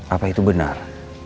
apa itu benar